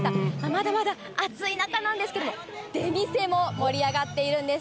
まだまだ暑い中なんですけれども、出店も盛り上がっているんです。